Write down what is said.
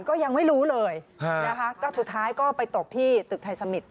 ก็ยังไม่รู้เลยนะคะก็สุดท้ายก็ไปตกที่ตึกไทยสมิตร